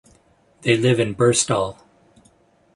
They live in Birstall.